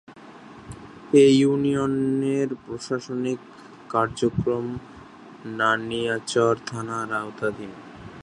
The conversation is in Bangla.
এ ইউনিয়নের প্রশাসনিক কার্যক্রম নানিয়ারচর থানার আওতাধীন।